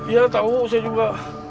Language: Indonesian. ya tau saya juga